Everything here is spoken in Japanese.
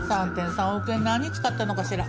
３．３億円何に使ったのかしら？